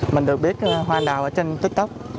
mình được biết hoa anh đào ở trên tiktok